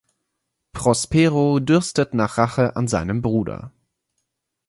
Prospero dürstet nach Rache an seinem Bruder.